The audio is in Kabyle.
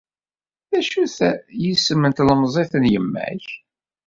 D acu-t yisem n tlemẓit n yemma-k?